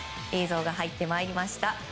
映像が入ってまいりました。